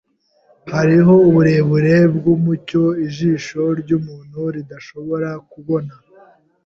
Hariho uburebure bwumucyo ijisho ryumuntu ridashobora kubona.